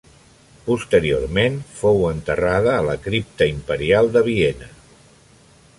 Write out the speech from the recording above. Posteriorment fou enterrada a la Cripta imperial de Viena.